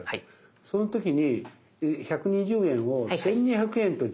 その時に１２０円を１，２００円と。